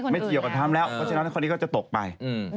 ไม่เกี่ยวกับทำแล้วเพราะฉะนั้นข้อนี้ก็จะตกไป